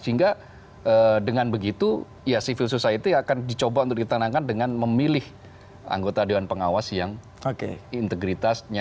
sehingga dengan begitu ya civil society akan dicoba untuk ditenangkan dengan memilih anggota dewan pengawas yang integritasnya